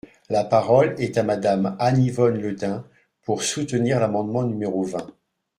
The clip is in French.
La parole est à Madame Anne-Yvonne Le Dain, pour soutenir l’amendement numéro vingt.